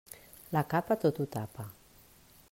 La capa tot ho tapa.